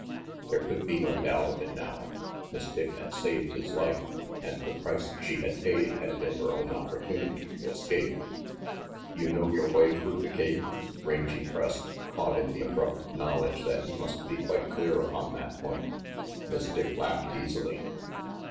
There could be no doubt of it now. Miss Dick had saved his life and the price she had paid had been her own opportunity to escape. 370 RANGY PETE "You know your way through the cave?" Rangy pressed, caught in the abrupt knowledge that he must be quite clear upon that point. Miss Dick laughed easily.